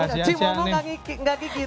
cimu kamu gak gigit